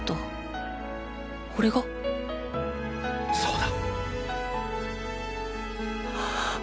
そうだ！